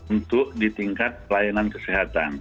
untuk di tingkat pelayanan kesehatan